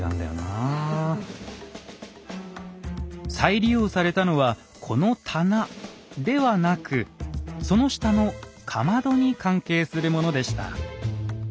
再利用されたのはこの棚ではなくその下のかまどに関係するものでした。